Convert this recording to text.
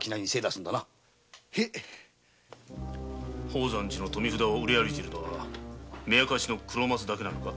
宝山寺の富札を売り歩いているのは目明しの黒松だけか？